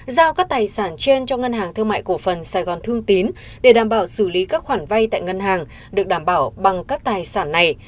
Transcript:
giao các tài sản trên cho ngân hàng thương mại cổ phần sài gòn thương tín để đảm bảo xử lý các khoản vay tại ngân hàng được đảm bảo bằng các tài sản này